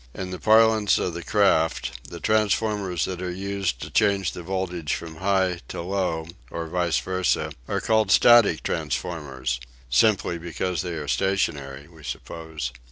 In the parlance of the craft, the transformers that are used to change the voltage from high to low, or vice versa, are called "static transformers," simply because they are stationary, we suppose.